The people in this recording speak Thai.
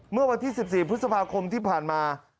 เมื่อวันที่๑๔พฤษภาคมที่ผ่านมา